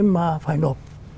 mà phải đột